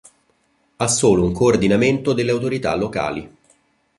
Ha solo un coordinamento delle autorità locali.